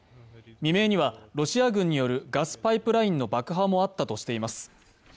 未明にはロシア軍によるガスパイプラインの爆破もあったとしています。